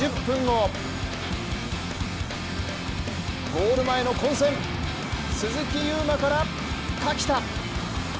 ゴール前の混戦、鈴木優磨から垣田。